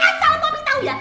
asal popi tau ya